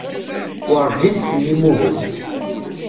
Werǧin d-tennim uhu.